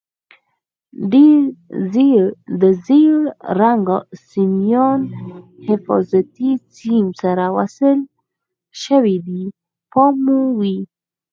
د زیړ رنګ سیمان حفاظتي سیم سره وصل شوي دي پام مو وي.